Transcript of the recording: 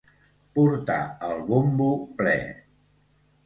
Portar el bombo ple.